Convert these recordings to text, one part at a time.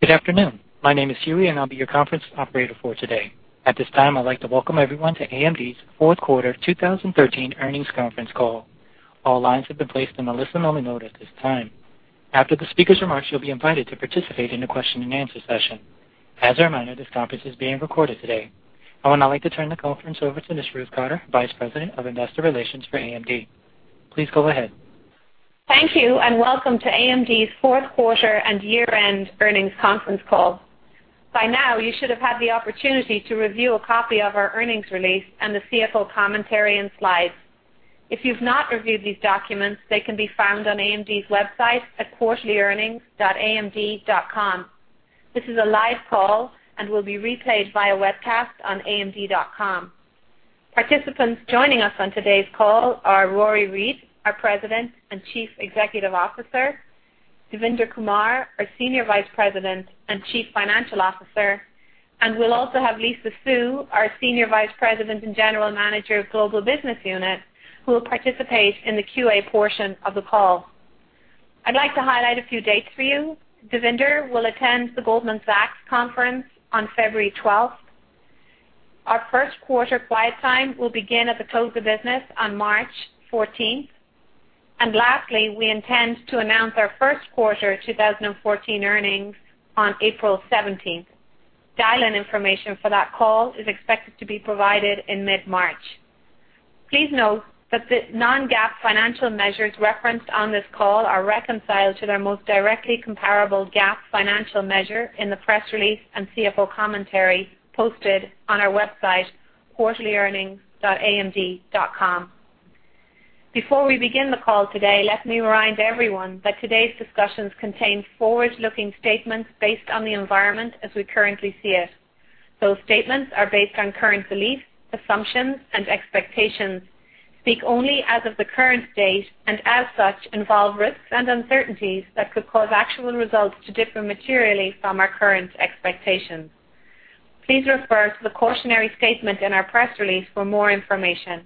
Good afternoon. My name is Huey, and I'll be your conference operator for today. At this time, I'd like to welcome everyone to AMD's fourth quarter 2013 earnings conference call. All lines have been placed on a listen-only mode at this time. After the speaker's remarks, you'll be invited to participate in the question-and-answer session. As a reminder, this conference is being recorded today. I would now like to turn the conference over to Ms. Ruth Cotter, Vice President of Investor Relations for AMD. Please go ahead. Thank you, welcome to AMD's fourth quarter and year-end earnings conference call. By now, you should have had the opportunity to review a copy of our earnings release and the CFO commentary and slides. If you've not reviewed these documents, they can be found on AMD's website at quarterlyearnings.amd.com. This is a live call and will be replayed via webcast on amd.com. Participants joining us on today's call are Rory Read, our President and Chief Executive Officer, Devinder Kumar, our Senior Vice President and Chief Financial Officer, and we'll also have Lisa Su, our Senior Vice President and General Manager of Global Business Unit, who will participate in the QA portion of the call. I'd like to highlight a few dates for you. Devinder will attend the Goldman Sachs conference on February 12th. Our first quarter quiet time will begin at the close of business on March 14th. Lastly, we intend to announce our first quarter 2014 earnings on April 17th. Dial-in information for that call is expected to be provided in mid-March. Please note that the non-GAAP financial measures referenced on this call are reconciled to their most directly comparable GAAP financial measure in the press release and CFO commentary posted on our website, quarterlyearnings.amd.com. Before we begin the call today, let me remind everyone that today's discussions contain forward-looking statements based on the environment as we currently see it. Those statements are based on current beliefs, assumptions, and expectations, speak only as of the current date, and as such, involve risks and uncertainties that could cause actual results to differ materially from our current expectations. Please refer to the cautionary statement in our press release for more information.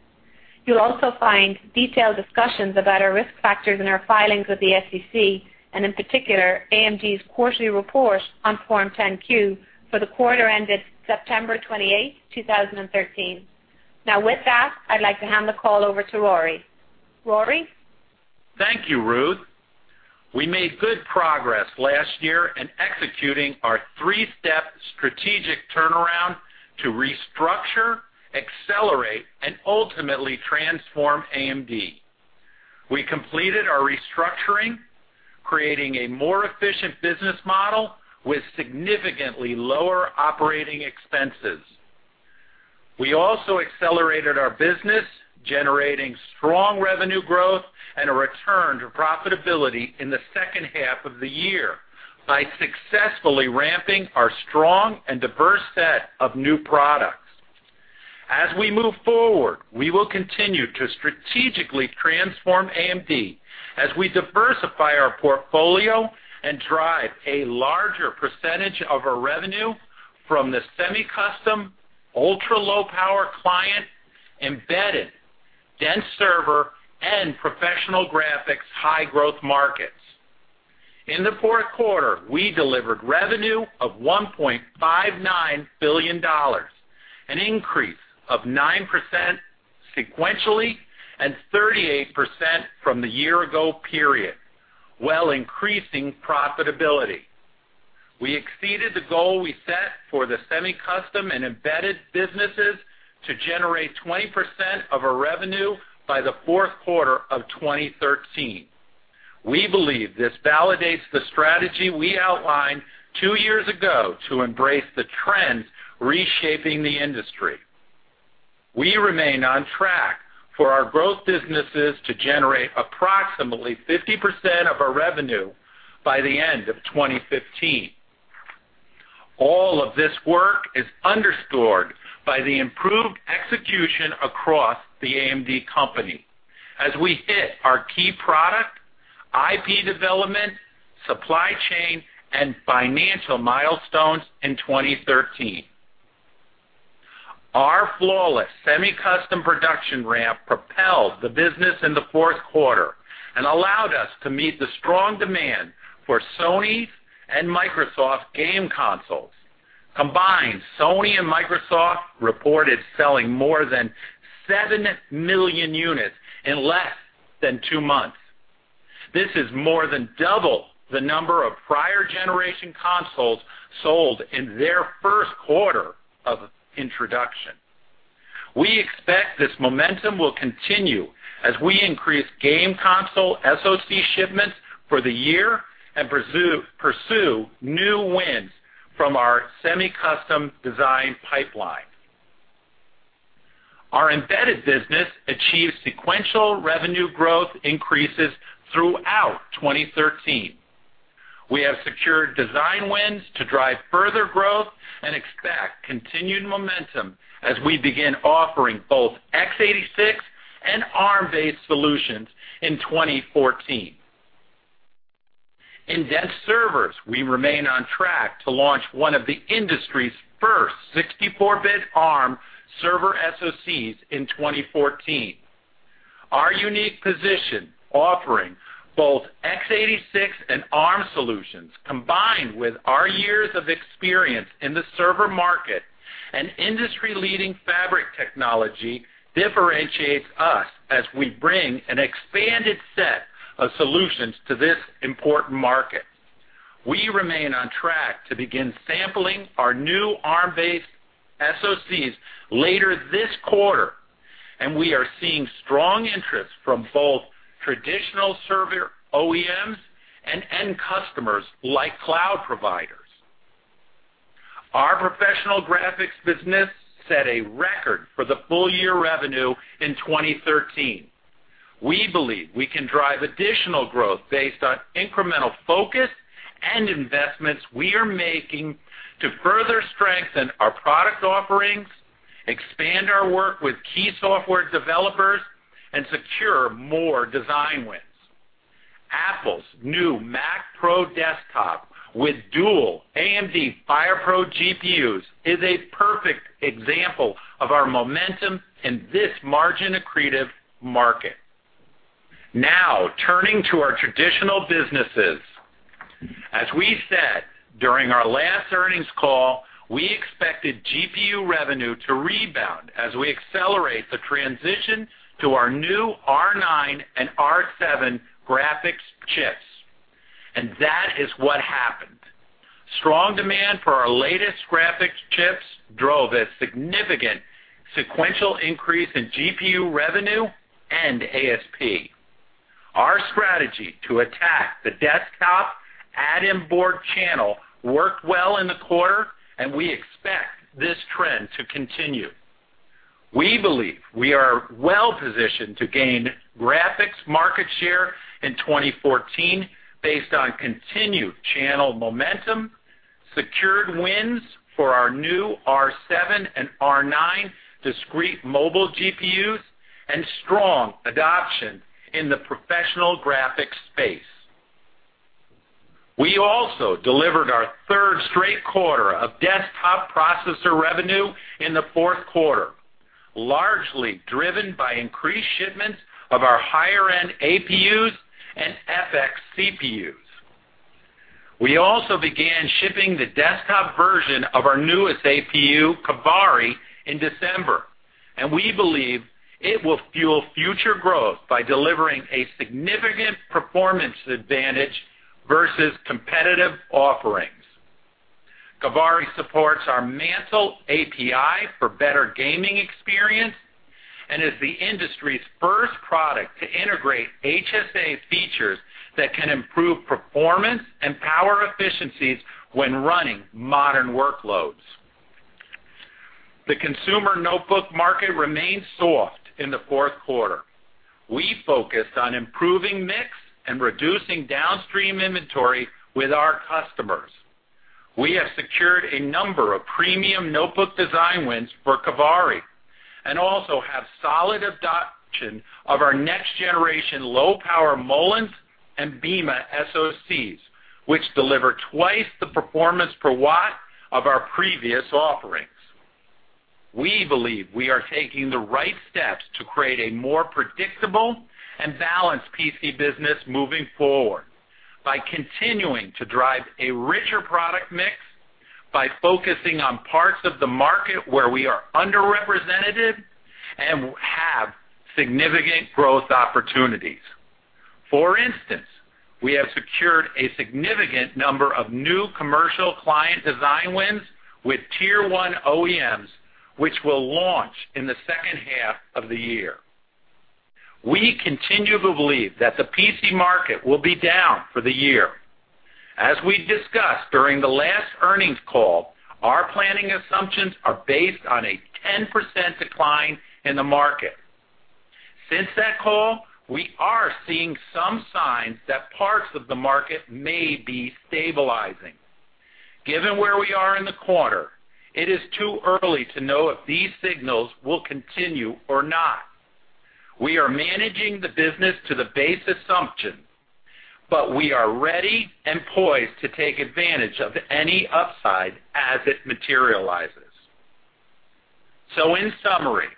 You'll also find detailed discussions about our risk factors in our filings with the SEC, and in particular, AMD's quarterly report on Form 10-Q for the quarter ended September 28, 2013. With that, I'd like to hand the call over to Rory. Rory? Thank you, Ruth. We made good progress last year in executing our three-step strategic turnaround to restructure, accelerate, and ultimately transform AMD. We completed our restructuring, creating a more efficient business model with significantly lower operating expenses. We also accelerated our business, generating strong revenue growth and a return to profitability in the second half of the year by successfully ramping our strong and diverse set of new products. As we move forward, we will continue to strategically transform AMD as we diversify our portfolio and drive a larger percentage of our revenue from the semi-custom, ultra-low-power client, embedded, dense server, and professional graphics high-growth markets. In the fourth quarter, we delivered revenue of $1.59 billion, an increase of 9% sequentially and 38% from the year-ago period, while increasing profitability. We exceeded the goal we set for the semi-custom and embedded businesses to generate 20% of our revenue by the fourth quarter of 2013. We believe this validates the strategy we outlined two years ago to embrace the trends reshaping the industry. We remain on track for our growth businesses to generate approximately 50% of our revenue by the end of 2015. All of this work is underscored by the improved execution across the AMD company as we hit our key product, IP development, supply chain, and financial milestones in 2013. Our flawless semi-custom production ramp propelled the business in the fourth quarter and allowed us to meet the strong demand for Sony's and Microsoft's game consoles. Combined, Sony and Microsoft reported selling more than 7 million units in less than two months. This is more than double the number of prior generation consoles sold in their first quarter of introduction. We expect this momentum will continue as we increase game console SoC shipments for the year and pursue new wins from our semi-custom design pipeline. Our embedded business achieved sequential revenue growth increases throughout 2013. We have secured design wins to drive further growth and expect continued momentum as we begin offering both x86 and ARM-based solutions in 2014. Our unique position offering both x86 and ARM solutions, combined with our years of experience in the server market and industry-leading fabric technology differentiates us as we bring an expanded set of solutions to this important market. We remain on track to begin sampling our new ARM-based SoCs later this quarter, and we are seeing strong interest from both traditional server OEMs and end customers like cloud providers. Our professional graphics business set a record for the full year revenue in 2013. We believe we can drive additional growth based on incremental focus and investments we are making to further strengthen our product offerings, expand our work with key software developers and secure more design wins. Apple's new Mac Pro desktop with dual AMD FirePro GPUs is a perfect example of our momentum in this margin-accretive market. Now turning to our traditional businesses. As we said during our last earnings call, we expected GPU revenue to rebound as we accelerate the transition to our new R9 and R7 graphics chips. That is what happened. Strong demand for our latest graphics chips drove a significant sequential increase in GPU revenue and ASP. Our strategy to attack the desktop add-in board channel worked well in the quarter, and we expect this trend to continue. We believe we are well positioned to gain graphics market share in 2014 based on continued channel momentum, secured wins for our new R7 and R9 discrete mobile GPUs, and strong adoption in the professional graphics space. We also delivered our third straight quarter of desktop processor revenue in the fourth quarter, largely driven by increased shipments of our higher-end APUs and FX CPUs. We also began shipping the desktop version of our newest APU, Kaveri, in December, and we believe it will fuel future growth by delivering a significant performance advantage versus competitive offerings. Kaveri supports our Mantle API for better gaming experience and is the industry's first product to integrate HSA's features that can improve performance and power efficiencies when running modern workloads. The consumer notebook market remained soft in the fourth quarter. We focused on improving mix and reducing downstream inventory with our customers. We have secured a number of premium notebook design wins for Kaveri and also have solid adoption of our next-generation low-power Mullins and Beema SoCs, which deliver twice the performance per watt of our previous offerings. We believe we are taking the right steps to create a more predictable and balanced PC business moving forward by continuing to drive a richer product mix, by focusing on parts of the market where we are underrepresented and have significant growth opportunities. For instance, we have secured a significant number of new commercial client design wins with tier-1 OEMs, which will launch in the second half of the year. We continue to believe that the PC market will be down for the year. As we discussed during the last earnings call, our planning assumptions are based on a 10% decline in the market. Since that call, we are seeing some signs that parts of the market may be stabilizing. Given where we are in the quarter, it is too early to know if these signals will continue or not. We are managing the business to the base assumption, but we are ready and poised to take advantage of any upside as it materializes. In summary,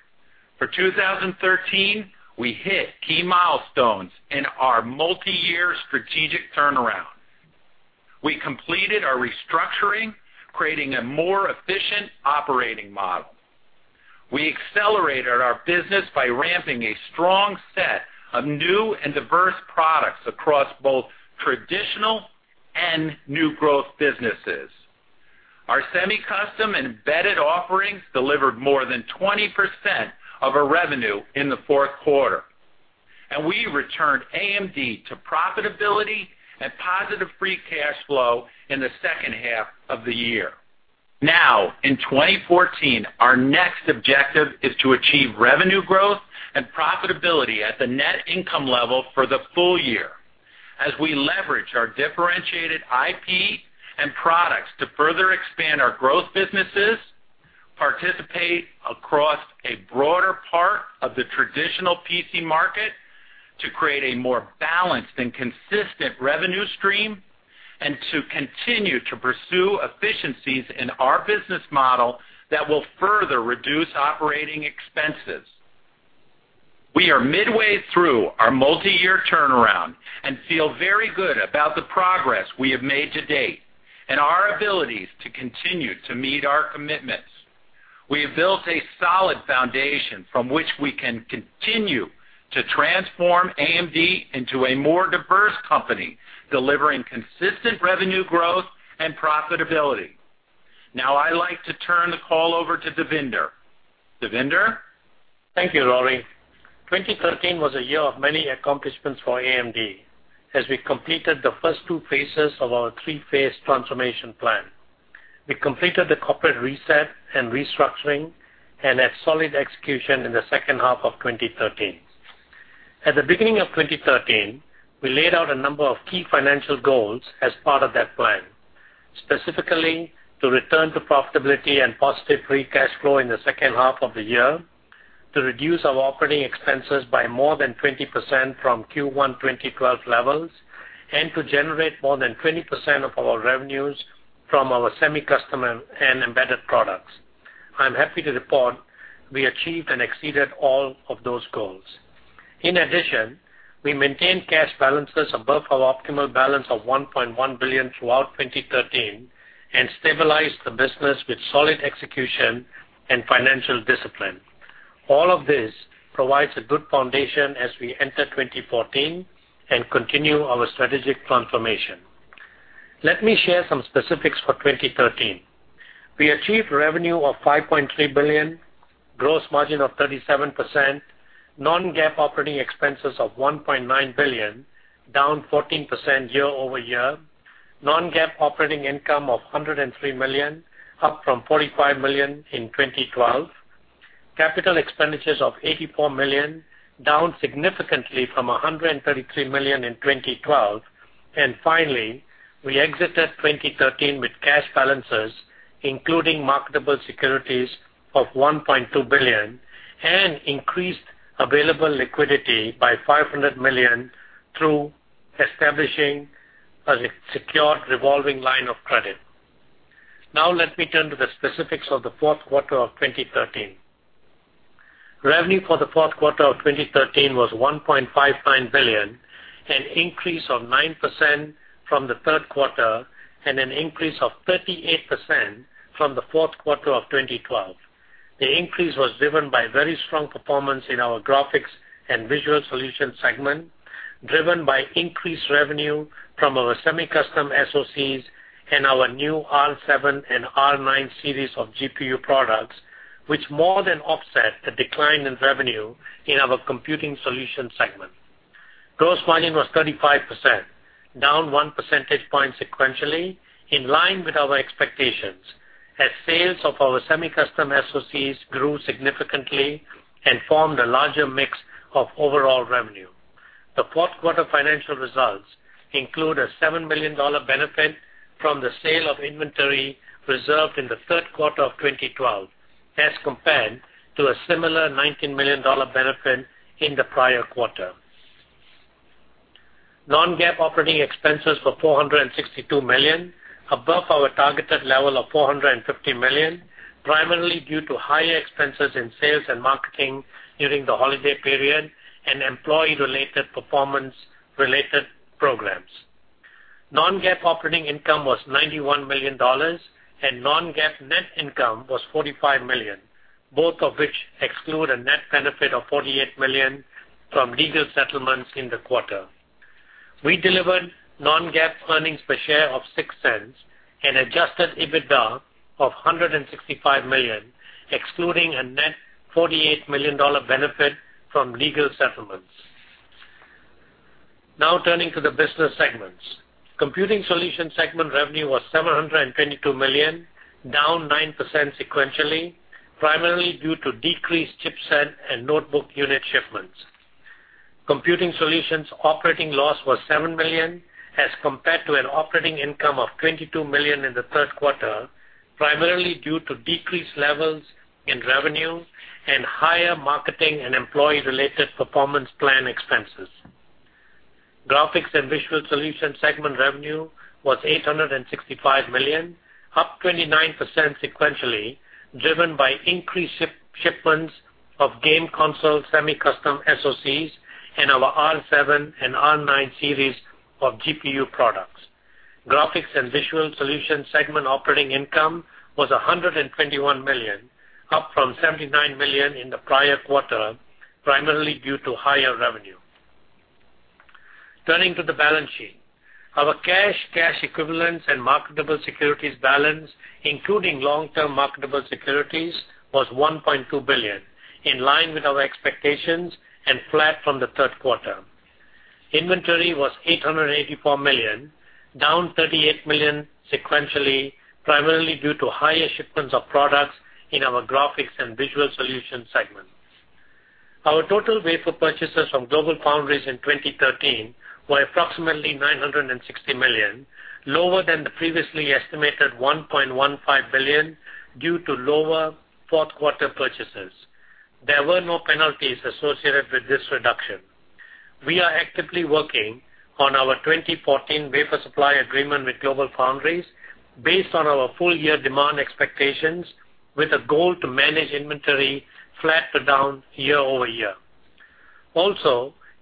for 2013, we hit key milestones in our multiyear strategic turnaround. We completed our restructuring, creating a more efficient operating model. We accelerated our business by ramping a strong set of new and diverse products across both traditional and new growth businesses. Our semi-custom embedded offerings delivered more than 20% of our revenue in the fourth quarter, and we returned AMD to profitability and positive free cash flow in the second half of the year. In 2014, our next objective is to achieve revenue growth and profitability at the net income level for the full year as we leverage our differentiated IP and products to further expand our growth businesses, participate across a broader part of the traditional PC market to create a more balanced and consistent revenue stream and to continue to pursue efficiencies in our business model that will further reduce operating expenses. We are midway through our multi-year turnaround and feel very good about the progress we have made to date and our abilities to continue to meet our commitments. We have built a solid foundation from which we can continue to transform AMD into a more diverse company, delivering consistent revenue growth and profitability. Now I'd like to turn the call over to Devinder. Devinder? Thank you, Rory. 2013 was a year of many accomplishments for AMD, as we completed the first two phases of our three-phase transformation plan. We completed the corporate reset and restructuring and had solid execution in the second half of 2013. At the beginning of 2013, we laid out a number of key financial goals as part of that plan, specifically to return to profitability and positive free cash flow in the second half of the year, to reduce our operating expenses by more than 20% from Q1 2012 levels, and to generate more than 20% of our revenues from our semi-custom and embedded products. I'm happy to report we achieved and exceeded all of those goals. In addition, we maintained cash balances above our optimal balance of $1.1 billion throughout 2013 and stabilized the business with solid execution and financial discipline. All of this provides a good foundation as we enter 2014 and continue our strategic transformation. Let me share some specifics for 2013. We achieved revenue of $5.3 billion, gross margin of 37%, non-GAAP operating expenses of $1.9 billion, down 14% year-over-year, non-GAAP operating income of $103 million, up from $45 million in 2012, capital expenditures of $84 million, down significantly from $133 million in 2012, and finally, we exited 2013 with cash balances, including marketable securities of $1.2 billion and increased available liquidity by $500 million through establishing a secured revolving line of credit. Now let me turn to the specifics of the fourth quarter of 2013. Revenue for the fourth quarter of 2013 was $1.59 billion, an increase of 9% from the third quarter and an increase of 38% from the fourth quarter of 2012. The increase was driven by very strong performance in our Graphics and Visual Solutions segment, driven by increased revenue from our semi-custom SoCs and our new R7 and R9 series of GPU products, which more than offset the decline in revenue in our Computing Solutions segment. Gross margin was 35%, down one percentage point sequentially, in line with our expectations as sales of our semi-custom SoCs grew significantly and formed a larger mix of overall revenue. The fourth quarter financial results include a $7 million benefit from the sale of inventory reserved in the third quarter of 2012, as compared to a similar $19 million benefit in the prior quarter. Non-GAAP operating expenses were $462 million, above our targeted level of $450 million, primarily due to higher expenses in sales and marketing during the holiday period and employee-related performance-related programs. Non-GAAP operating income was $91 million. Non-GAAP net income was $45 million, both of which exclude a net benefit of $48 million from legal settlements in the quarter. We delivered non-GAAP earnings per share of $0.06 and adjusted EBITDA of $165 million, excluding a net $48 million benefit from legal settlements. Turning to the business segments. Computing Solutions segment revenue was $722 million, down 9% sequentially, primarily due to decreased chipset and notebook unit shipments. Computing Solutions operating loss was $7 million as compared to an operating income of $22 million in the third quarter, primarily due to decreased levels in revenue and higher marketing and employee-related performance plan expenses. Graphics and Visual Solutions segment revenue was $865 million, up 29% sequentially, driven by increased shipments of game console semi-custom SOCs in our R7 and R9 series of GPU products. Graphics and Visual Solutions segment operating income was $121 million, up from $79 million in the prior quarter, primarily due to higher revenue. Turning to the balance sheet. Our cash equivalents, and marketable securities balance, including long-term marketable securities, was $1.2 billion, in line with our expectations and flat from the third quarter. Inventory was $884 million, down $38 million sequentially, primarily due to higher shipments of products in our Graphics and Visual Solutions segment. Our total wafer purchases from GlobalFoundries in 2013 were approximately $960 million, lower than the previously estimated $1.15 billion due to lower fourth-quarter purchases. There were no penalties associated with this reduction. We are actively working on our 2014 wafer supply agreement with GlobalFoundries based on our full-year demand expectations, with a goal to manage inventory flat to down year-over-year.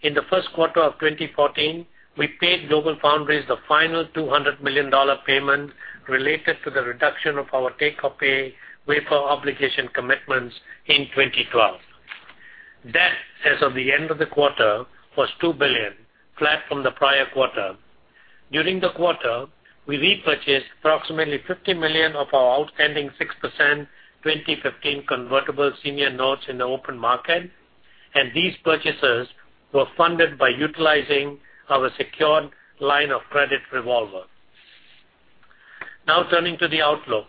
In the first quarter of 2014, we paid GlobalFoundries the final $200 million payment related to the reduction of our take-or-pay wafer obligation commitments in 2012. Debt as of the end of the quarter was $2 billion, flat from the prior quarter. During the quarter, we repurchased approximately $50 million of our outstanding 6% 2015 convertible senior notes in the open market. These purchases were funded by utilizing our secured line of credit revolver. Turning to the outlook.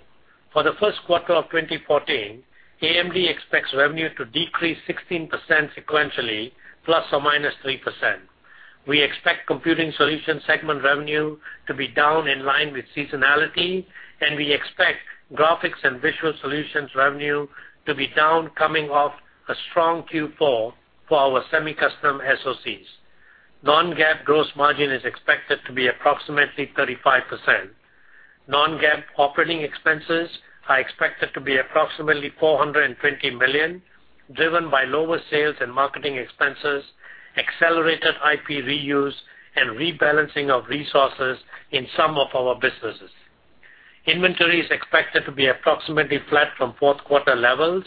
For the first quarter of 2014, AMD expects revenue to decrease 16% sequentially, ±3%. We expect Computing Solutions segment revenue to be down in line with seasonality. We expect Graphics and Visual Solutions revenue to be down coming off a strong Q4 for our semi-custom SOCs. Non-GAAP gross margin is expected to be approximately 35%. Non-GAAP operating expenses are expected to be approximately $420 million, driven by lower sales and marketing expenses, accelerated IP reuse, and rebalancing of resources in some of our businesses. Inventory is expected to be approximately flat from fourth quarter levels.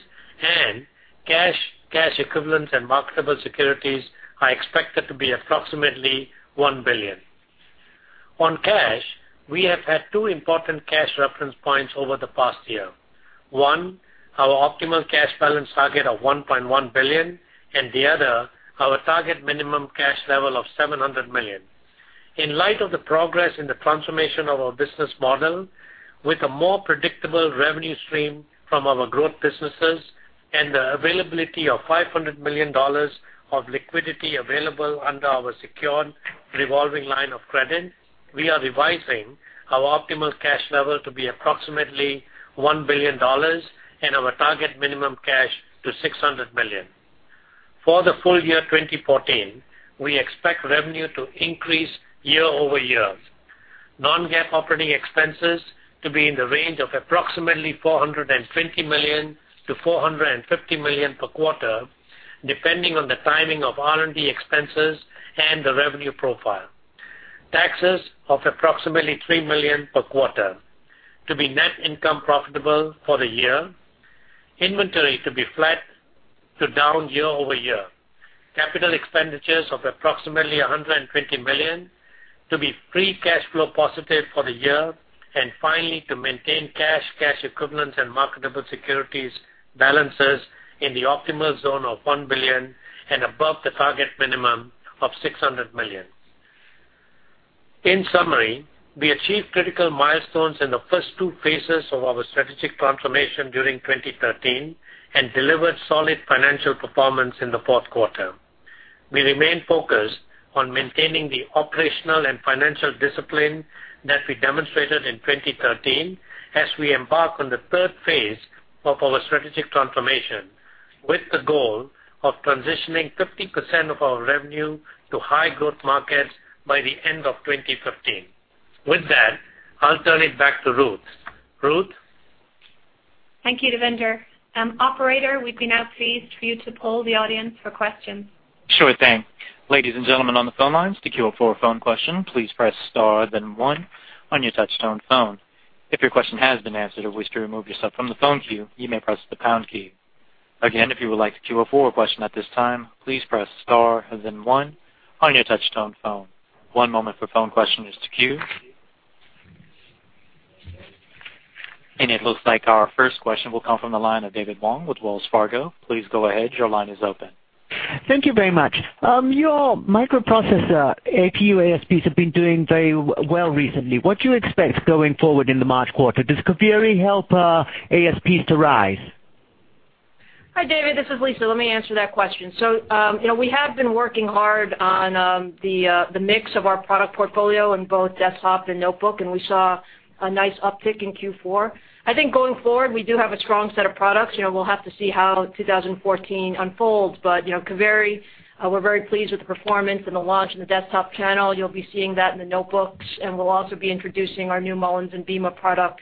Cash, cash equivalents, and marketable securities are expected to be approximately $1 billion. On cash, we have had two important cash reference points over the past year. One, our optimal cash balance target of $1.1 billion. The other, our target minimum cash level of $700 million. In light of the progress in the transformation of our business model, with a more predictable revenue stream from our growth businesses and the availability of $500 million of liquidity available under our secured revolving line of credit, we are revising our optimal cash level to be approximately $1 billion and our target minimum cash to $600 million. For the full year 2014, we expect revenue to increase year-over-year. Non-GAAP operating expenses to be in the range of approximately $420 million-$450 million per quarter, depending on the timing of R&D expenses and the revenue profile. Taxes of approximately $3 million per quarter to be net income profitable for the year. Inventory to be flat to down year-over-year. Capital expenditures of approximately $120 million to be free cash flow positive for the year. Finally, to maintain cash equivalents, and marketable securities balances in the optimal zone of $1 billion and above the target minimum of $600 million. In summary, we achieved critical milestones in the first 2 phases of our strategic transformation during 2013 and delivered solid financial performance in the fourth quarter. We remain focused on maintaining the operational and financial discipline that we demonstrated in 2013 as we embark on the third phase of our strategic transformation with the goal of transitioning 50% of our revenue to high-growth markets by the end of 2015. With that, I'll turn it back to Ruth. Ruth? Thank you, Devinder. Operator, we can now please for you to poll the audience for questions. Sure thing. Ladies and gentlemen on the phone lines, to queue up for a phone question, please press star then one on your touchtone phone. If your question has been answered or wish to remove yourself from the phone queue, you may press the pound key. Again, if you would like to queue a question at this time, please press star then one on your touchtone phone. One moment for phone questionists to queue. It looks like our first question will come from the line of David Wong with Wells Fargo. Please go ahead. Your line is open. Thank you very much. Your microprocessor APU ASPs have been doing very well recently. What do you expect going forward in the March quarter? Does Kaveri help ASPs to rise? Hi, David. This is Lisa. Let me answer that question. We have been working hard on the mix of our product portfolio in both desktop and notebook, and we saw a nice uptick in Q4. I think going forward, we do have a strong set of products. We'll have to see how 2014 unfolds. Kaveri, we're very pleased with the performance and the launch in the desktop channel. You'll be seeing that in the notebooks, and we'll also be introducing our new Mullins and Beema product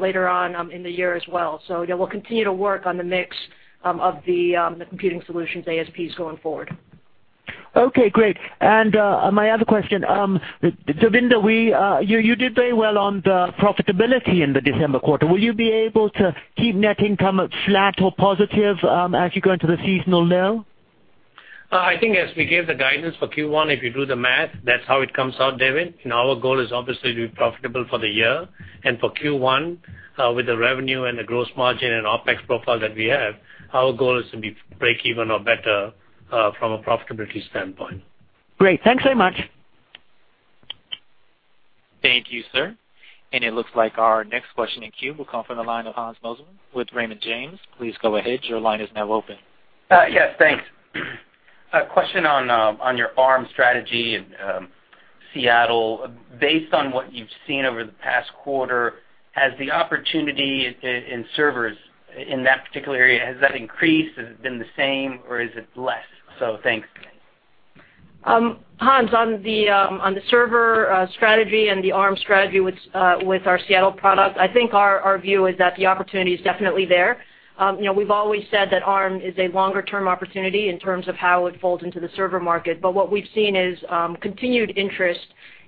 later on in the year as well. We'll continue to work on the mix of the Computing Solutions ASPs going forward. Okay, great. My other question, Devinder, you did very well on the profitability in the December quarter. Will you be able to keep net income flat or positive as you go into the seasonal lull? I think as we gave the guidance for Q1, if you do the math, that's how it comes out, David. Our goal is obviously to be profitable for the year and for Q1 with the revenue and the gross margin and OPEX profile that we have, our goal is to be breakeven or better from a profitability standpoint. Great. Thanks very much. Thank you, sir. It looks like our next question in queue will come from the line of Hans Mosesmann with Raymond James. Please go ahead. Your line is now open. Yes, thanks. A question on your ARM strategy and Seattle. Based on what you've seen over the past quarter, has the opportunity in servers in that particular area, has that increased, has it been the same, or is it less? Thanks. Hans, on the server strategy and the ARM strategy with our Seattle product, I think our view is that the opportunity is definitely there. We've always said that ARM is a longer-term opportunity in terms of how it folds into the server market. What we've seen is continued interest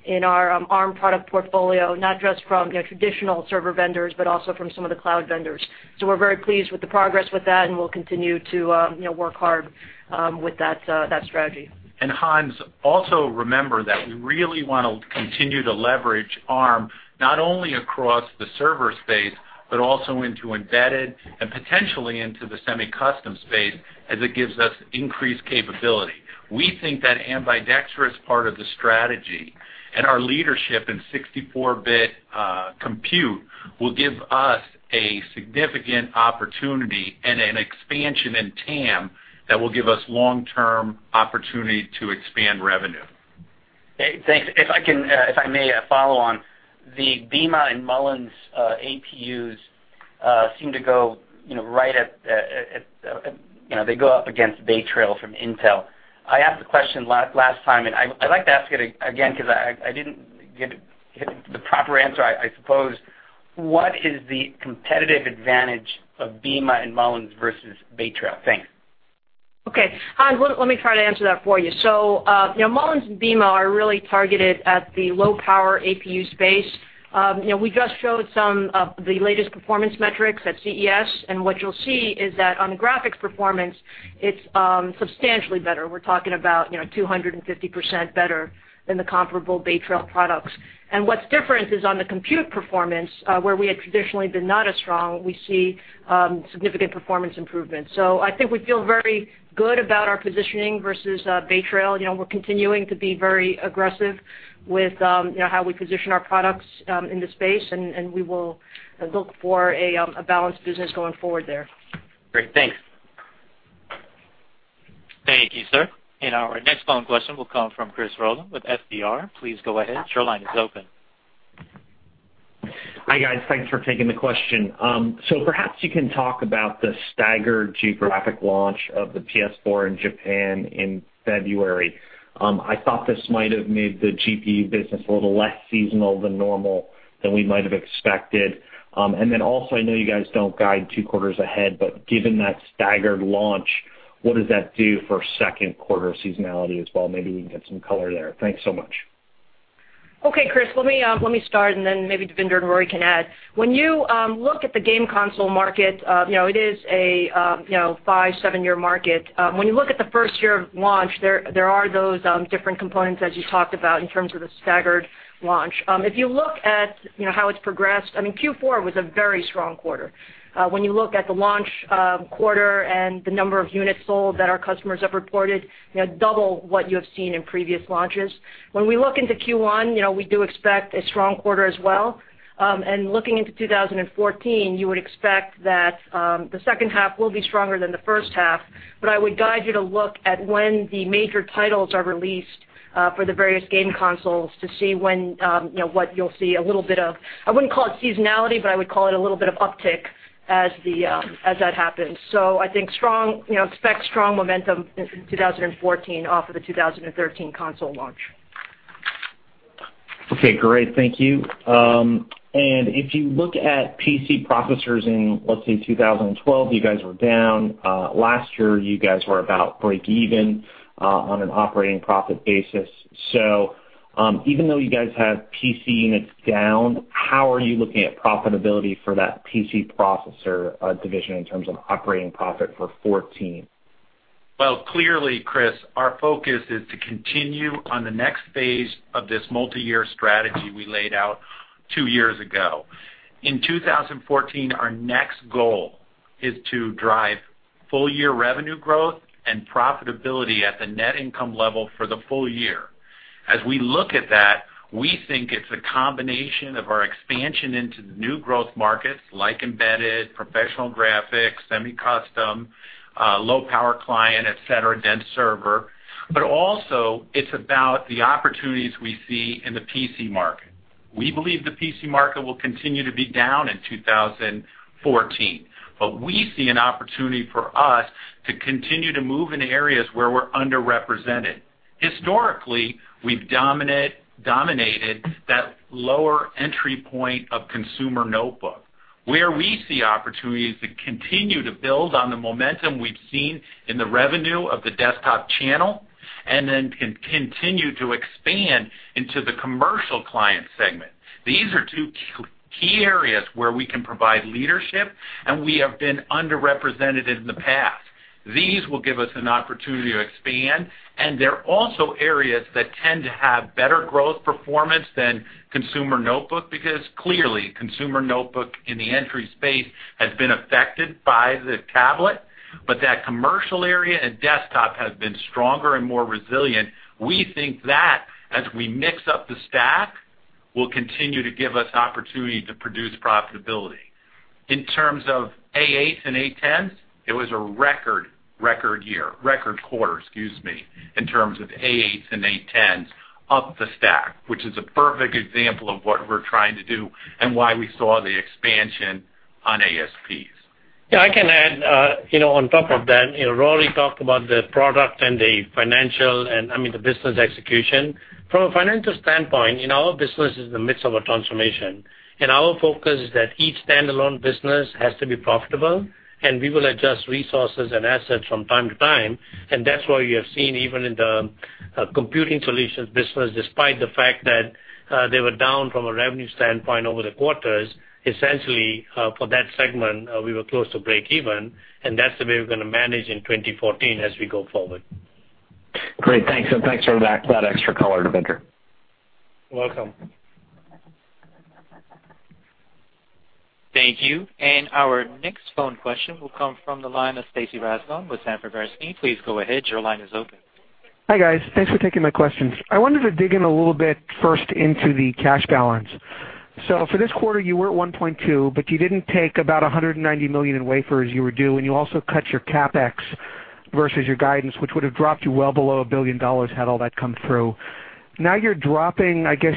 in our ARM product portfolio, not just from traditional server vendors, but also from some of the cloud vendors. We're very pleased with the progress with that, and we'll continue to work hard with that strategy. Hans, also remember that we really want to continue to leverage ARM, not only across the server space, but also into embedded and potentially into the semi-custom space, as it gives us increased capability. We think that ambidextrous part of the strategy and our leadership in 64-bit compute will give us a significant opportunity and an expansion in TAM that will give us long-term opportunity to expand revenue. Thanks. If I may follow on, the Beema and Mullins APUs seem to go up against Bay Trail from Intel. I asked the question last time, and I'd like to ask it again because I didn't get the proper answer, I suppose. What is the competitive advantage of Beema and Mullins versus Bay Trail? Thanks. Okay, Hans, let me try to answer that for you. Mullins and Beema are really targeted at the low-power APU space. We just showed some of the latest performance metrics at CES, and what you'll see is that on graphics performance, it's substantially better. We're talking about 250% better than the comparable Bay Trail products. What's different is on the compute performance, where we had traditionally been not as strong, we see significant performance improvements. I think we feel very good about our positioning versus Bay Trail. We're continuing to be very aggressive with how we position our products in this space, and we will look for a balanced business going forward there. Great. Thanks. Thank you, sir. Our next phone question will come from Chris Rolland with FBR. Please go ahead. Your line is open. Hi, guys. Thanks for taking the question. Perhaps you can talk about the staggered geographic launch of the PS4 in Japan in February. I thought this might have made the GPU business a little less seasonal than normal than we might have expected. Also, I know you guys don't guide two quarters ahead, but given that staggered launch, what does that do for second quarter seasonality as well? Maybe we can get some color there. Thanks so much. Okay, Chris, let me start, and then maybe Devinder and Rory can add. When you look at the game console market, it is a five, seven-year market. When you look at the first year of launch, there are those different components that you talked about in terms of the staggered launch. If you look at how it's progressed, Q4 was a very strong quarter. When you look at the launch quarter and the number of units sold that our customers have reported, double what you have seen in previous launches. When we look into Q1, we do expect a strong quarter as well. Looking into 2014, you would expect that the second half will be stronger than the first half. I would guide you to look at when the major titles are released for the various game consoles to see what you'll see a little bit of, I wouldn't call it seasonality, but I would call it a little bit of uptick as that happens. I think expect strong momentum in 2014 off of the 2013 console launch. Okay, great. Thank you. If you look at PC processors in, let's say, 2012, you guys were down. Last year, you guys were about break even on an operating profit basis. Even though you guys have PC units down, how are you looking at profitability for that PC processor division in terms of operating profit for 2014? Well, clearly, Chris, our focus is to continue on the next phase of this multi-year strategy we laid out 2 years ago. In 2014, our next goal is to drive full-year revenue growth and profitability at the net income level for the full year. As we look at that, we think it's a combination of our expansion into new growth markets like embedded, professional graphics, semi-custom, low-power client, et cetera, dense server. Also it's about the opportunities we see in the PC market. We believe the PC market will continue to be down in 2014. We see an opportunity for us to continue to move in areas where we're underrepresented. Historically, we've dominated that lower entry point of consumer notebook. Where we see opportunities to continue to build on the momentum we've seen in the revenue of the desktop channel, continue to expand into the commercial client segment. These are 2 key areas where we can provide leadership. We have been underrepresented in the past. These will give us an opportunity to expand. They're also areas that tend to have better growth performance than consumer notebook, because clearly, consumer notebook in the entry space has been affected by the tablet. That commercial area and desktop has been stronger and more resilient. We think that as we mix up the stack will continue to give us opportunity to produce profitability. In terms of A8 and A10s, it was a record quarter, in terms of A8s and A10s up the stack, which is a perfect example of what we're trying to do and why we saw the expansion on ASPs. Yeah, I can add, on top of that, Rory talked about the product and the business execution. From a financial standpoint, our business is in the midst of a transformation, and our focus is that each standalone business has to be profitable, and we will adjust resources and assets from time to time. That's why you have seen, even in the Computing Solutions business, despite the fact that they were down from a revenue standpoint over the quarters, essentially, for that segment, we were close to breakeven, and that's the way we're going to manage in 2014 as we go forward. Great. Thanks. Thanks for that extra color, Devinder. Welcome. Thank you. Our next phone question will come from the line of Stacy Rasgon with Sanford C. Bernstein. Please go ahead. Your line is open. Hi, guys. Thanks for taking my questions. I wanted to dig in a little bit first into the cash balance. For this quarter, you were at $1.2, but you didn't take about $190 million in wafers you were due, and you also cut your CapEx versus your guidance, which would have dropped you well below $1 billion had all that come through. You're dropping, I guess,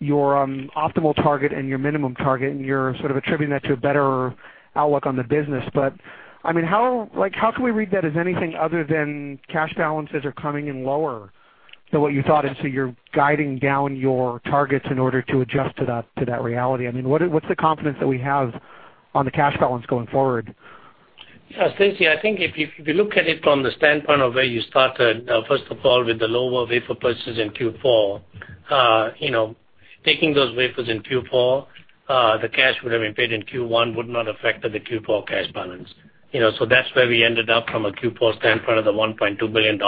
your optimal target and your minimum target, and you're sort of attributing that to a better outlook on the business. How can we read that as anything other than cash balances are coming in lower than what you thought, and so you're guiding down your targets in order to adjust to that reality? What's the confidence that we have on the cash balance going forward? Stacy, I think if you look at it from the standpoint of where you started, first of all, with the lower wafer purchases in Q4, taking those wafers in Q4, the cash would have been paid in Q1 would not affected the Q4 cash balance. That's where we ended up from a Q4 standpoint of the $1.2 billion.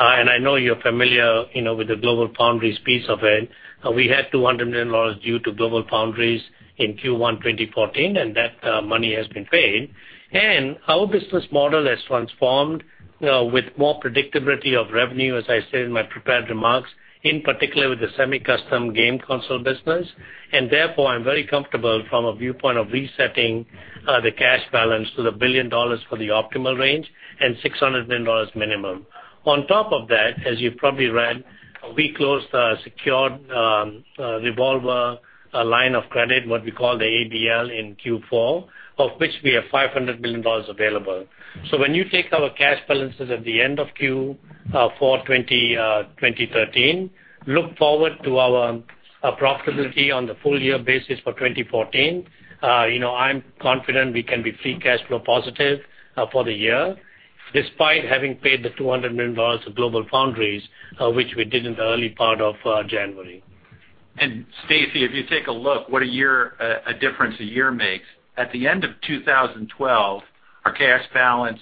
And I know you're familiar with the GlobalFoundries piece of it. We had $200 million due to GlobalFoundries in Q1 2014, and that money has been paid. And our business model has transformed with more predictability of revenue, as I said in my prepared remarks, in particular with the semi-custom game console business. Therefore, I'm very comfortable from a viewpoint of resetting the cash balance to the $1 billion for the optimal range and $600 million minimum. On top of that, as you probably read, we closed a secured revolver line of credit, what we call the ABL, in Q4, of which we have $500 million available. When you take our cash balances at the end of Q4 2013, look forward to our profitability on the full-year basis for 2014. I'm confident we can be free cash flow positive for the year, despite having paid the $200 million to GlobalFoundries, which we did in the early part of January. Stacy, if you take a look what a difference a year makes, at the end of 2012, our cash balance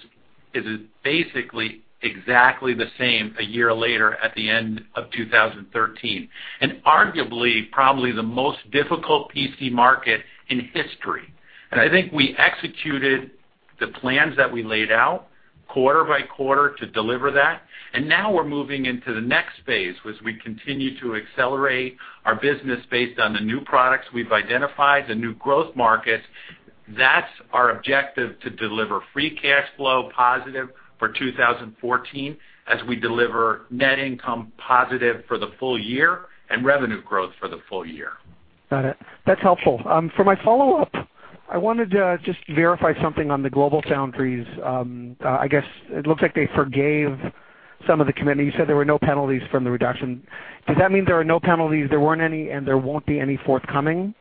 is basically exactly the same one year later at the end of 2013, in arguably, probably the most difficult PC market in history. And I think we executed the plans that we laid out quarter by quarter to deliver that, and now we're moving into the next phase, which we continue to accelerate our business based on the new products we've identified, the new growth markets. That's our objective to deliver free cash flow positive for 2014 as we deliver net income positive for the full year and revenue growth for the full year. Got it. That's helpful. For my follow-up, I wanted to just verify something on the GlobalFoundries. I guess it looks like they forgave some of the commitment. You said there were no penalties from the reduction. Does that mean there are no penalties, there weren't any, and there won't be any forthcoming?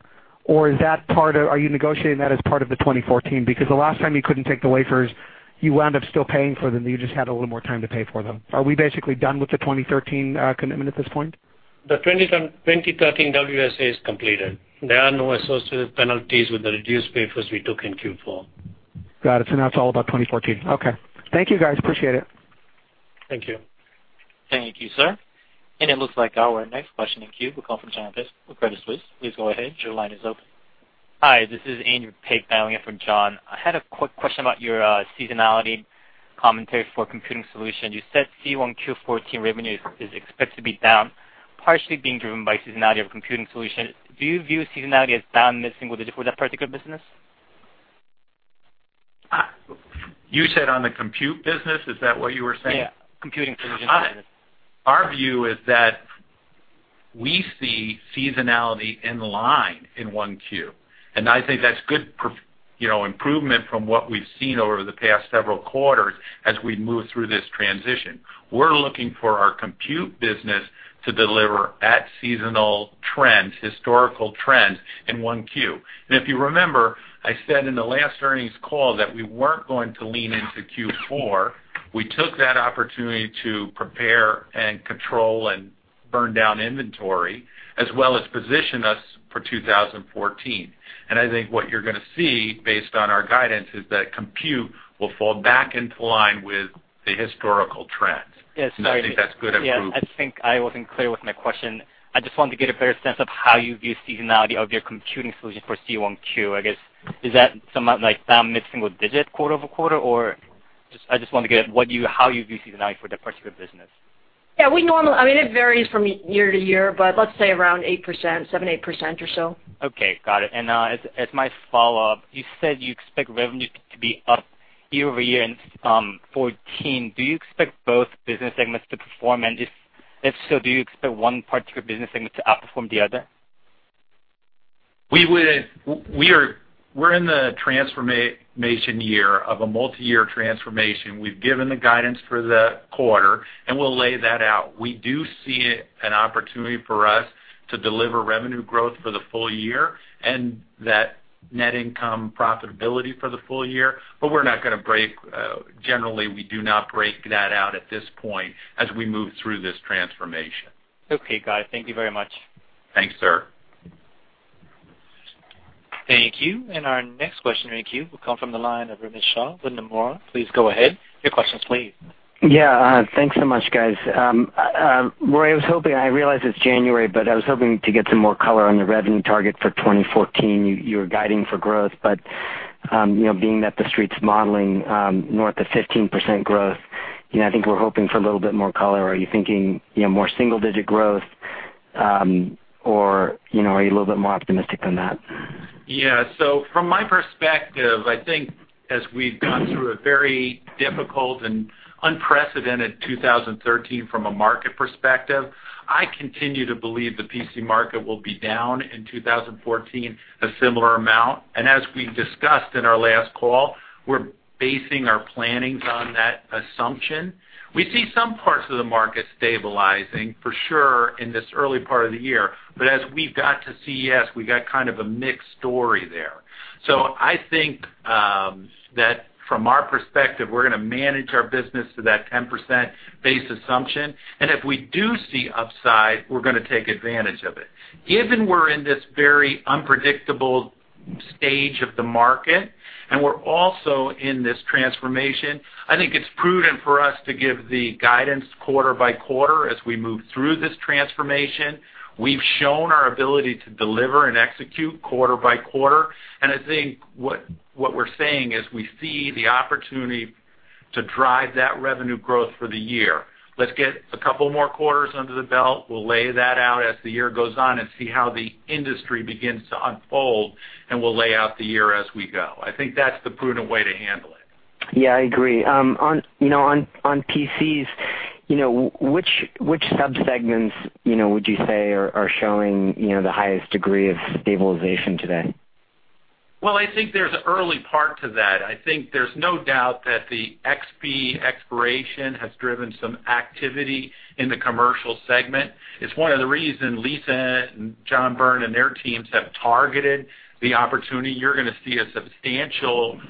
Are you negotiating that as part of the 2014? The last time you couldn't take the wafers, you wound up still paying for them. You just had a little more time to pay for them. Are we basically done with the 2013 commitment at this point? The 2013 WSA is completed. There are no associated penalties with the reduced wafers we took in Q4. Got it. Now it's all about 2014. Okay. Thank you guys. Appreciate it. Thank you. Thank you, sir. It looks like our next question in queue will come from John Pitzer with Credit Suisse. Please go ahead. Your line is open. Hi, this is Andrew Pescod dialing in from John Pitzer. I had a quick question about your seasonality commentary for Computing Solutions. You said Q1 2014 revenue is expected to be down, partially being driven by seasonality of Computing Solutions. Do you view seasonality as down mid-single digit for that particular business? You said on the compute business, is that what you were saying? Computing Solutions business. Our view is that we see seasonality in line in Q1. I think that's good improvement from what we've seen over the past several quarters as we move through this transition. We're looking for our compute business to deliver at seasonal trends, historical trends in Q1. If you remember, I said in the last earnings call that we weren't going to lean into Q4. We took that opportunity to prepare and control and burn down inventory, as well as position us for 2014. I think what you're going to see based on our guidance is that compute will fall back into line with the historical trends. Yes. Sorry. I think that's good improvement. Yeah. I think I wasn't clear with my question. I just wanted to get a better sense of how you view seasonality of your Computing Solutions for 1Q. I guess, is that somewhat like down mid-single digit quarter-over-quarter? I just want to get how you view seasonality for that particular business. Yeah. It varies from year to year, but let's say around 7%, 8%, or so. Okay, got it. As my follow-up, you said you expect revenue to be up year-over-year in 2014. Do you expect both business segments to perform? If so, do you expect one particular business segment to outperform the other? We're in the transformation year of a multi-year transformation. We've given the guidance for the quarter, and we'll lay that out. We do see an opportunity for us to deliver revenue growth for the full year, and that net income profitability for the full year. Generally, we do not break that out at this point as we move through this transformation. Okay, got it. Thank you very much. Thanks, sir. Thank you. Our next question in our queue will come from the line of Romit Shah with Nomura. Please go ahead. Your questions, please. Yeah. Thanks so much, guys. Rory, I realize it's January, but I was hoping to get some more color on the revenue target for 2014. Being that the street's modeling north of 15% growth, I think we're hoping for a little bit more color. Are you thinking more single-digit growth, or are you a little bit more optimistic than that? Yeah. From my perspective, I think as we've gone through a very difficult and unprecedented 2013 from a market perspective, I continue to believe the PC market will be down in 2014 a similar amount. As we discussed in our last call, we're basing our plannings on that assumption. We see some parts of the market stabilizing, for sure, in this early part of the year. As we've got to CES, we got kind of a mixed story there. I think that from our perspective, we're going to manage our business to that 10% base assumption. If we do see upside, we're going to take advantage of it. Given we're in this very unpredictable stage of the market, and we're also in this transformation, I think it's prudent for us to give the guidance quarter by quarter as we move through this transformation. We've shown our ability to deliver and execute quarter by quarter, I think what we're saying is we see the opportunity to drive that revenue growth for the year. Let's get a couple more quarters under the belt. We'll lay that out as the year goes on and see how the industry begins to unfold, we'll lay out the year as we go. I think that's the prudent way to handle it. Yeah, I agree. On PCs, which subsegments, would you say are showing the highest degree of stabilization today? Well, I think there's an early part to that. I think there's no doubt that the XP expiration has driven some activity in the commercial segment. It's one of the reasons Lisa and John Byrne and their teams have targeted the opportunity. You're going to see a substantial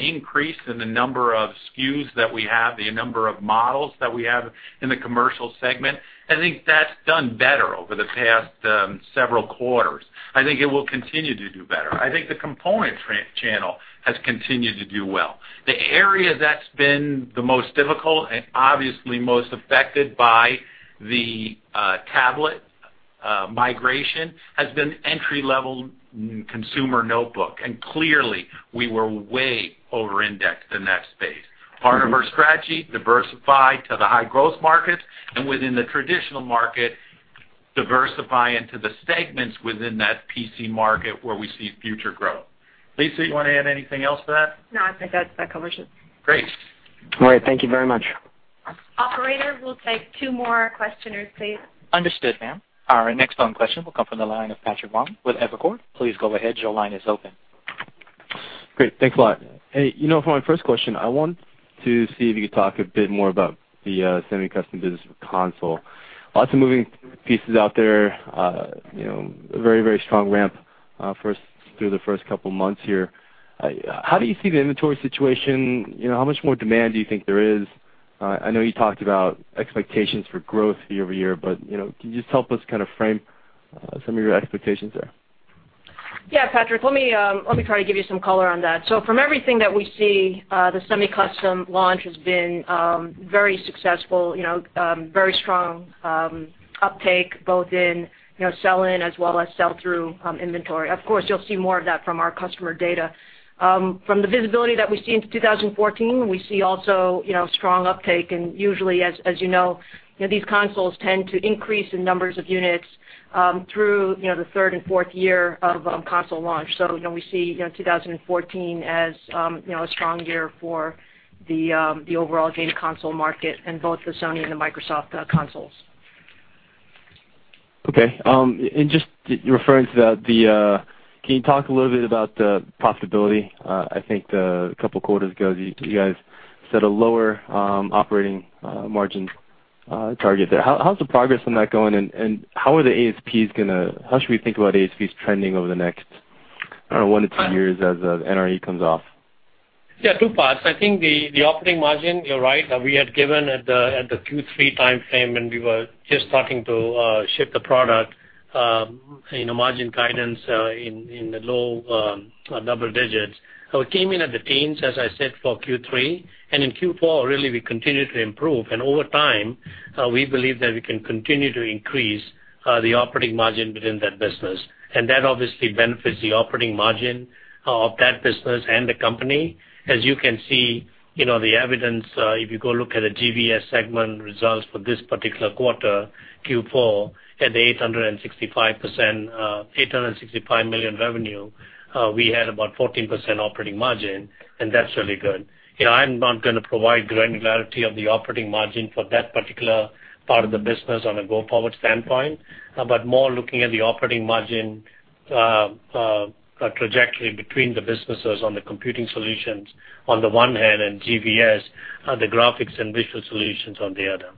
increase in the number of SKUs that we have, the number of models that we have in the commercial segment. I think that's done better over the past several quarters. I think it will continue to do better. I think the component channel has continued to do well. The area that's been the most difficult and obviously most affected by the tablet migration has been entry-level consumer notebook, and clearly, we were way over-indexed in that space. Part of our strategy, diversify to the high-growth market, and within the traditional market, diversify into the segments within that PC market where we see future growth. Lisa, you want to add anything else to that? No, I think that covers it. Great. All right. Thank you very much. Operator, we'll take two more questioners, please. Understood, ma'am. Our next phone question will come from the line of Patrick Wang with Evercore. Please go ahead. Your line is open. Great. Thanks a lot. For my first question, I want to see if you could talk a bit more about the semi-custom business console. Lots of moving pieces out there, a very strong ramp through the first couple of months here. How do you see the inventory situation? How much more demand do you think there is? I know you talked about expectations for growth year-over-year, but can you just help us kind of frame some of your expectations there? Yeah, Patrick. Let me try to give you some color on that. From everything that we see, the semi-custom launch has been very successful, very strong uptake both in sell in as well as sell through inventory. Of course, you'll see more of that from our customer data. From the visibility that we see into 2014, we see also strong uptake. Usually, as you know, these consoles tend to increase in numbers of units through the third and fourth year of console launch. We see 2014 as a strong year for the overall game console market and both the Sony and the Microsoft consoles. Just referring to that, can you talk a little bit about the profitability? I think 2 quarters ago, you guys set a lower operating margin target there. How's the progress on that going? How should we think about ASPs trending over the next, I don't know, 1-2 years as NRE comes off? Yeah, 2 parts. I think the operating margin, you're right, we had given at the Q3 timeframe when we were just starting to ship the product, margin guidance in the low double digits. It came in at the teens, as I said, for Q3, and in Q4, really, we continued to improve. Over time, we believe that we can continue to increase the operating margin within that business. That obviously benefits the operating margin of that business and the company. As you can see, the evidence, if you go look at the GVS segment results for this particular quarter, Q4, at the $865 million revenue, we had about 14% operating margin, and that's really good. I'm not going to provide granularity of the operating margin for that particular part of the business on a go-forward standpoint, but more looking at the operating margin trajectory between the businesses on the Computing Solutions on the 1 hand, and GVS, the Graphics and Visual Solutions on the other.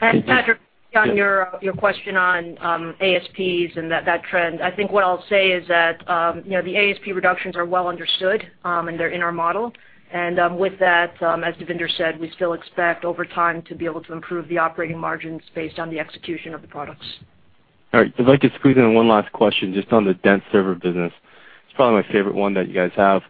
Patrick, on your question on ASPs and that trend, I think what I'll say is that the ASP reductions are well understood, and they're in our model. With that, as Devinder said, we still expect over time to be able to improve the operating margins based on the execution of the products. All right. I'd like to squeeze in one last question just on the dense server business. It's probably my favorite one that you guys have.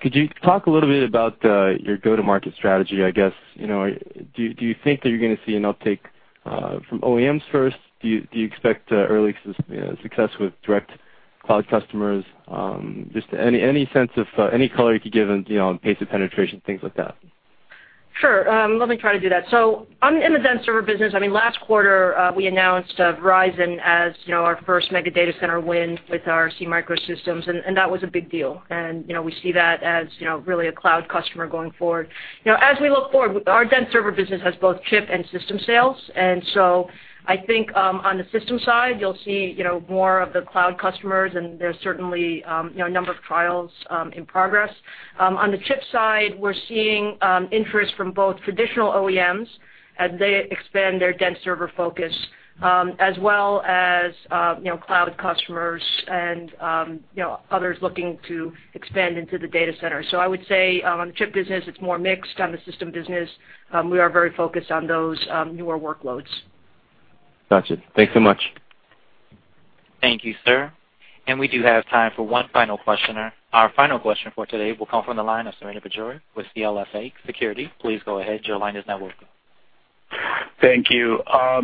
Could you talk a little bit about your go-to-market strategy, I guess. Do you think that you're going to see an uptake from OEMs first? Do you expect early success with direct cloud customers? Just any sense of any color you could give on pace of penetration, things like that? Sure. Let me try to do that. In the dense server business, last quarter, we announced Verizon as our first mega data center win with our SeaMicro, that was a big deal. We see that as really a cloud customer going forward. As we look forward, our dense server business has both chip and system sales. I think on the system side, you'll see more of the cloud customers, and there's certainly a number of trials in progress. On the chip side, we're seeing interest from both traditional OEMs as they expand their dense server focus, as well as cloud customers and others looking to expand into the data center. I would say on the chip business, it's more mixed. On the system business, we are very focused on those newer workloads. Got you. Thanks so much. Thank you, sir. We do have time for one final questioner. Our final question for today will come from the line of Srini Pajjuri with CLSA Securities. Please go ahead. Your line is now open. Thank you.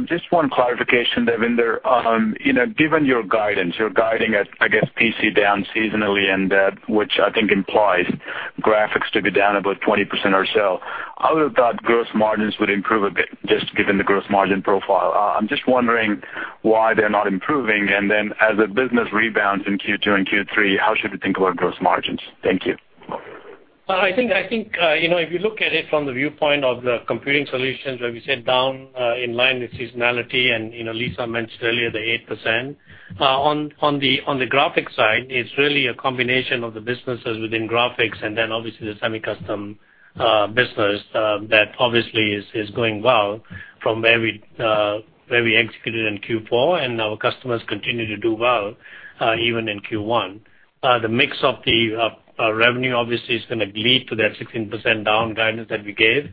Just one clarification, Devinder. Given your guidance, you're guiding at, I guess, PC down seasonally, and that which I think implies graphics to be down about 20% or so. I would have thought gross margins would improve a bit just given the gross margin profile. I'm just wondering why they're not improving, and then as the business rebounds in Q2 and Q3, how should we think about gross margins? Thank you. I think, if you look at it from the viewpoint of the Computing Solutions where we said down in line with seasonality, and Lisa mentioned earlier the 8%. On the graphics side, it's really a combination of the businesses within graphics and then obviously the semi-custom business that obviously is going well from where we executed in Q4 and our customers continue to do well even in Q1. The mix of the revenue obviously is going to lead to that 16% down guidance that we gave,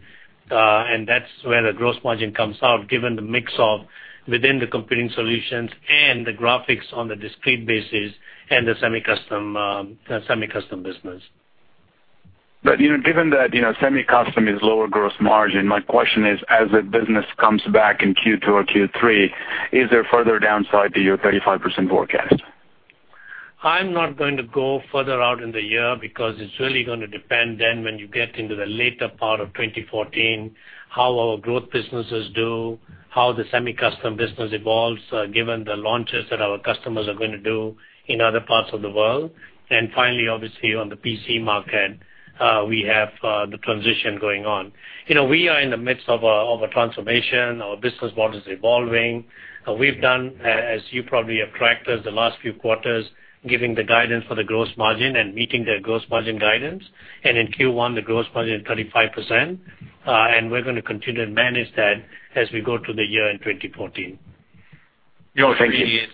and that's where the gross margin comes out, given the mix of within the Computing Solutions and the graphics on the discrete basis and the semi-custom business. Given that semi-custom is lower gross margin, my question is, as the business comes back in Q2 or Q3, is there further downside to your 35% forecast? I'm not going to go further out in the year because it's really going to depend then when you get into the later part of 2014, how our growth businesses do, how the semi-custom business evolves, given the launches that our customers are going to do in other parts of the world. Finally, obviously, on the PC market, we have the transition going on. We are in the midst of a transformation. Our business model is evolving. We've done, as you probably have tracked us the last few quarters, giving the guidance for the gross margin and meeting the gross margin guidance. In Q1, the gross margin is 35%, and we're going to continue to manage that as we go through the year in 2014. Thank you.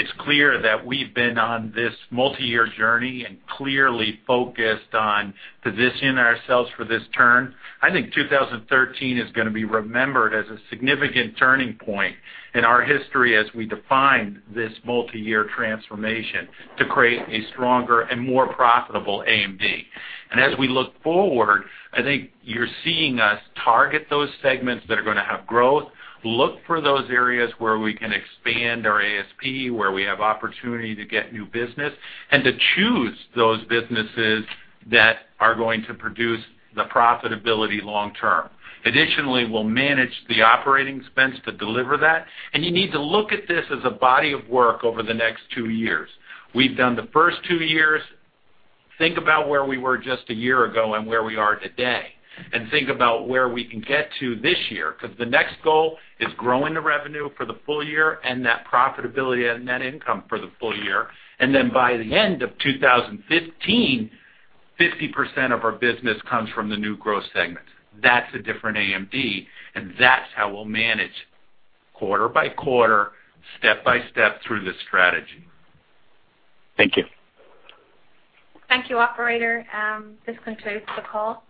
It's clear that we've been on this multi-year journey and clearly focused on positioning ourselves for this turn. I think 2013 is going to be remembered as a significant turning point in our history as we define this multi-year transformation to create a stronger and more profitable AMD. As we look forward, I think you're seeing us target those segments that are going to have growth, look for those areas where we can expand our ASP, where we have opportunity to get new business, and to choose those businesses that are going to produce the profitability long term. Additionally, we'll manage the operating expense to deliver that, and you need to look at this as a body of work over the next two years. We've done the first two years. Think about where we were just a year ago and where we are today, and think about where we can get to this year because the next goal is growing the revenue for the full year and net profitability and net income for the full year. Then by the end of 2015, 50% of our business comes from the new growth segment. That's a different AMD, and that's how we'll manage quarter by quarter, step by step through this strategy. Thank you. Thank you, operator. This concludes the call.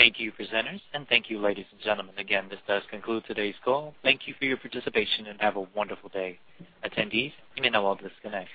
Thank you, presenters, and thank you, ladies and gentlemen. Again, this does conclude today's call. Thank you for your participation, and have a wonderful day. Attendees, you may now disconnect.